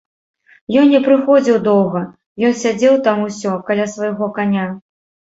Ён не прыходзіў доўга, ён сядзеў там усё, каля свайго каня.